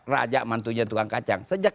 raja mantunya tukang kacang sejak